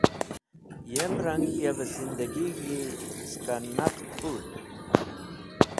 Yem rang, yav-e zindaig̃hi skẽ naqd pũl.